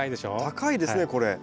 高いですねこれ。